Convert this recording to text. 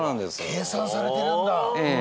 計算されてるんだ。